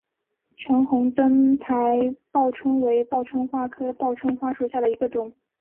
橙红灯台报春为报春花科报春花属下的一个种。